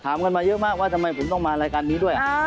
ถามกันมาเยอะมากว่าทำไมผมต้องมารายการนี้ด้วย